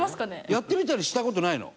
やってみたりした事ないの？